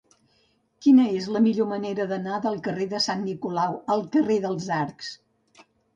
Quina és la millor manera d'anar del carrer de Sant Nicolau al carrer dels Arcs?